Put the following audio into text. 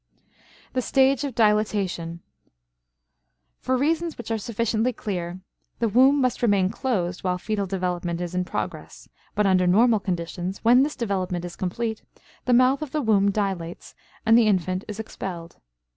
THE STAGE OF DILATATION. For reasons which are sufficiently clear, the womb must remain closed while fetal development is in progress; but under normal conditions, when this development is complete, the mouth of the womb dilates and the infant is expelled.